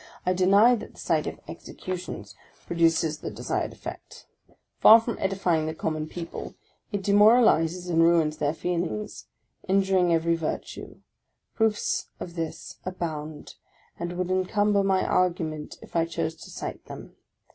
I deny that the sight of executions produces the desired effect. Far from edifying the common people, it demoralizes and ruins their feeling, injuring every virtue; proofs of this abound and would encumber my argument if I chose to cite them.